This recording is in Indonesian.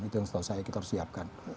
itu yang setahu saya kita harus siapkan